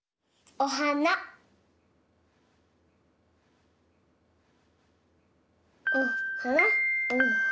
おはなおはな